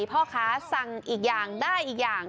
พ่อค้าสั่งอีกอย่างได้อีกอย่าง